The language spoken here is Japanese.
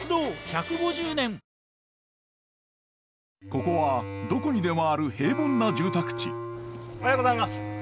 ここはどこにでもある平凡な住宅地おはようございます。